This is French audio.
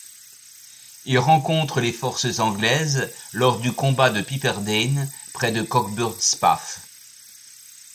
Ils rencontrent les forces anglaises lors du combat de Piperdean, près de Cockburnspath.